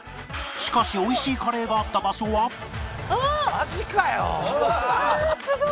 しかし美味しいカレーがあった場所はわあすごい！